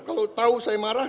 kalau tau saya marah